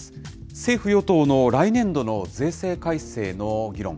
政府・与党の来年度の税制改正の議論。